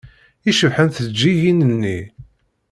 I cebḥent tjeǧǧigin-nni!